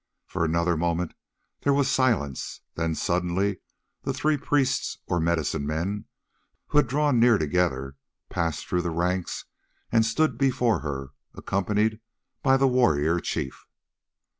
For another moment there was silence, then suddenly the three priests or medicine men, who had drawn near together, passed through the ranks and stood before her, accompanied by the warrior chief.